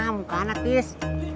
mak muka anak bis